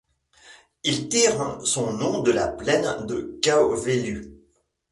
Il tire son nom de la plaine de Kawelu.